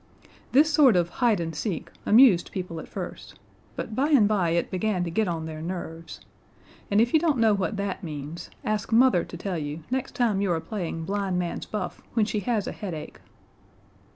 This sort of hide and seek amused people at first, but by and by it began to get on their nerves: and if you don't know what that means, ask Mother to tell you next time you are playing blind man's buff when she has a headache.